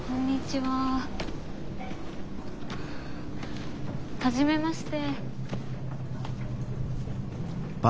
はじめまして。